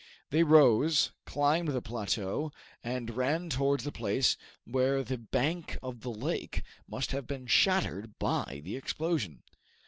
They rose, climbed the plateau, and ran towards the place where the bank of the lake must have been shattered by the explosion.